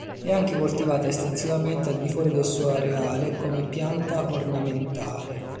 È anche coltivata estensivamente al di fuori del suo areale come pianta ornamentale.